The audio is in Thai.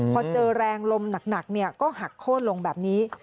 พอเจอแรงลมหนักก็หักโค้นลงแบบนี้